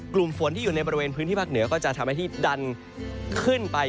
กลุ่มฝนที่อยู่ในบริเวณพื้นที่ภาคเหนือก็จะทำให้ที่ดันขึ้นไป